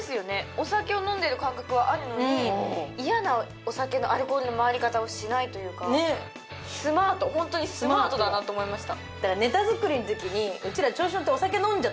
お酒を飲んでる感覚はあるのに嫌なお酒のアルコールの回り方をしないというかねっスマートホントにスマートだなと思いました